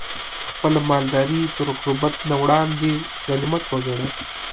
خپله مالداري تر غربت نه وړاندې غنيمت وګڼه